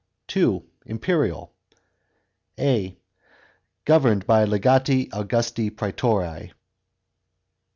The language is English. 2. Imperial a. Governed by legati Augusti pro praetore.